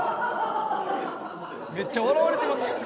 めっちゃ笑われてますやん。